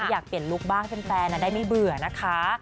อยากเปลี่ยนลุคบ้างให้แฟนได้ไม่เบื่อนะคะ